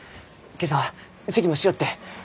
今朝はせきもしよって！